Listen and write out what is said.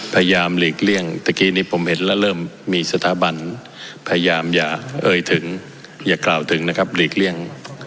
หลีกเลี่ยงเมื่อกี้นี้ผมเห็นแล้วเริ่มมีสถาบันพยายามอย่าเอ่ยถึงอย่ากล่าวถึงนะครับหลีกเลี่ยง